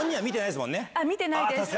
見てないです。